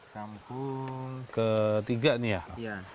kampung ke tiga nih ya